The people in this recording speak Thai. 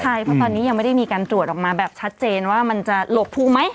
ใช่เพราะตอนนี้ยังไม่ได้มีการตรวจออกมาแบบชัดเจนว่ามันจะหลบภูมิไหม